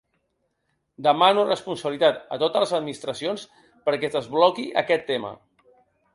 Demano responsabilitat a totes les administracions perquè es desbloqui aquest tema.